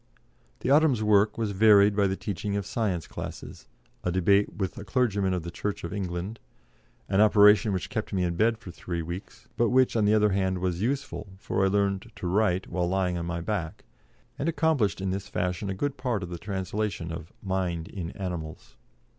The autumn's work was varied by the teaching of science classes, a debate with a clergyman of the Church of England, and an operation which kept me in bed for three weeks, but which, on the other hand, was useful, for I learned to write while lying on my back, and accomplished in this fashion a good part of the translation of "Mind in Animals."